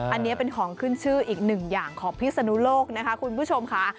อันนี้เป็นของขึ้นชื่ออีกหนึ่งอย่างของพิศนุโลกนะคะคุณผู้ชมค่ะ